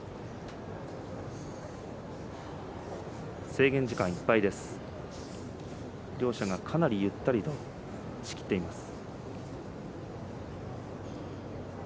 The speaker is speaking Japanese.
制限時間いっぱいです。両者がかなりゆったりと仕切っています。